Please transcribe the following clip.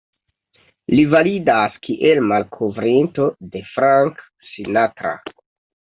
Li validas kiel malkovrinto de Frank Sinatra.